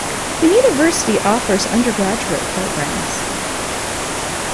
The university offers undergraduate programs.